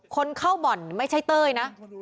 คนเข้าบ่อนไม่ใช่เต้ยนะ